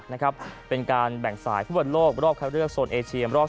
นะครับเป็นการแบ่งสายฟุตบอลโลกรอบคัดเลือกโซนเอเชียรอบ